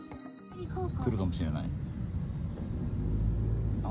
来るかもしれない。